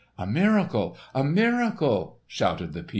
"A miracle! a miracle!" shouted the people.